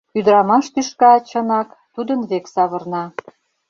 Ӱдырамаш тӱшка, чынак, тудын век савырна.